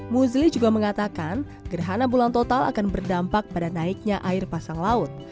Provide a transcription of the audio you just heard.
muzli juga mengatakan gerhana bulan total akan berdampak pada naiknya air pasang laut